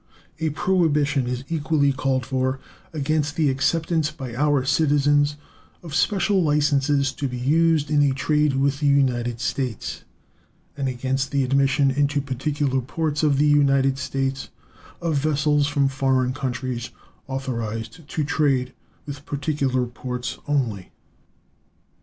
A prohibition is equally called for against the acceptance by our citizens of special licenses to be used in a trade with the United States, and against the admission into particular ports of the United States of vessels from foreign countries authorized to trade with particular ports only.